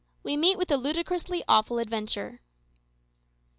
WE MEET WITH A LUDICROUSLY AWFUL ADVENTURE.